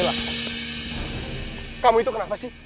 wah kamu itu kenapa sih